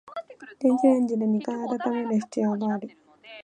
電子レンジで二回温める必要がある